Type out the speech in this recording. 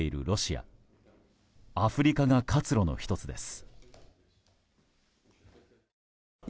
アフリカが活路の１つです。